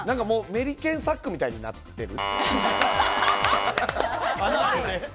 メリケンサックみたいになってる。